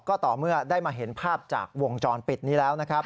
ก็ต่อเมื่อได้มาเห็นภาพจากวงจรปิดนี้แล้วนะครับ